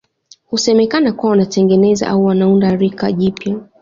Husemekana kuwa wanatengeneza au wanaunda rika jipya